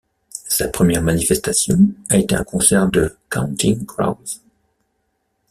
Sa première manifestation a été un concert de Counting Crows.